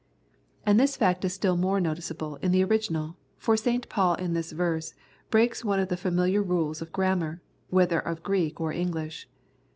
And this fact is still more noticeable in the original, for St. Paul in this verse breaks one of the familiar rules of grammar, whether of Greek or English.